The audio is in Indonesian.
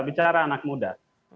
bicara anak muda